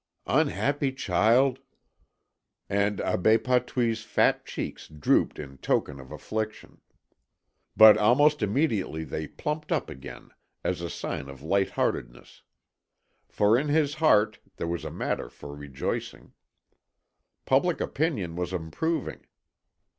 "Unhappy child!" And Abbé Patouille's fat cheeks drooped in token of affliction. But almost immediately they plumped up again, as a sign of light heartedness. For in his heart there was matter for rejoicing. Public opinion was improving.